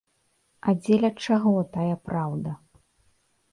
А дзеля чаго тая праўда?